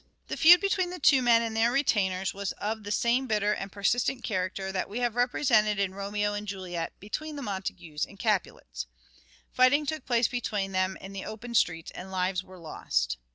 The feud between the two men and their retainers was of the same bitter and persistent character that we have represented in " Romeo and Juliet " between the Montagues and the Capulets. Fighting took place between them in the open streets and lives were lost.